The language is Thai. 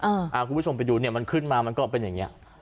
คุณผู้ชมไปดูเนี่ยมันขึ้นมามันก็เป็นอย่างเงี้ย